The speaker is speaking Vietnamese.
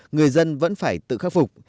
người dân vẫn phải tự khắc phục